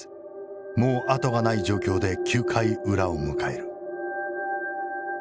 もう後がない状況で９回裏を迎える。